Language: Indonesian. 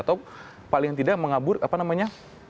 atau paling tidak mengabur apa namanya